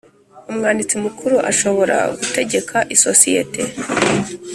Umwanditsi Mukuru ashobora gutegeka isosiyete